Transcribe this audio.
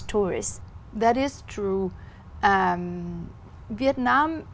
trong việt nam